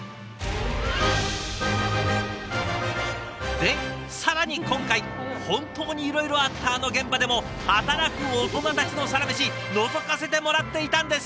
で更に今回本当にいろいろあったあの現場でも働くオトナたちのサラメシのぞかせてもらっていたんです。